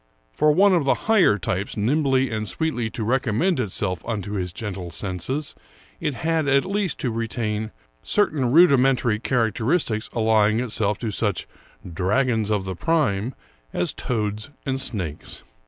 For one of the higher types nimbly and sweetly to recommend itself unto his gentle senses, it had at least to retain certain rudimentary charac teristics allying it to such " dragons of the prime " as toads and snakes.